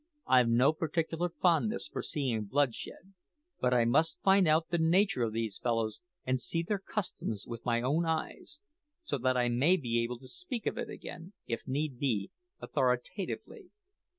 I've no particular fondness for seein' bloodshed; but I must find out the nature o' these fellows and see their customs with my own eyes, so that I may be able to speak of it again, if need be, authoritatively.